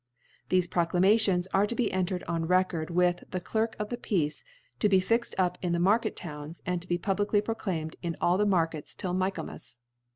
Thefe Proclamations arc to be entered of Record with the Clerk of the Peace, to be fixed up in the Market Towns, and to be publickly proclaimed in all the Markets till Michaelmas *.